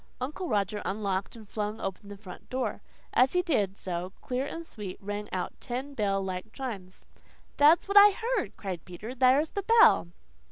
Uncle Roger unlocked and flung open the front door. As he did so, clear and sweet, rang out ten bell like chimes. "That's what I heard," cried Peter. "There's the bell!"